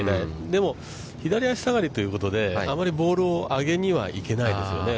でも、左足下がりということで、あまりボールを上げにはいけないですよね。